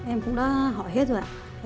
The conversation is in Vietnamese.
em cũng đã hỏi hết rồi ạ